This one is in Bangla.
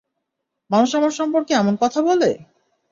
মানুষ আমার সম্পর্কে এমন কথা বলে?